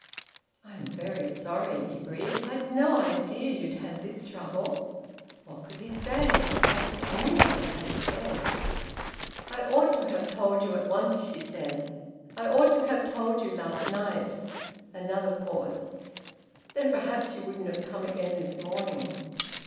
"I'm very sorry," he breathed. "I'd no idea you'd had this trouble." What could he say? What could anybody have said? "I ought to have told you at once," she said. "I ought to have told you last night." Another pause. "Then perhaps you wouldn't have come again this morning."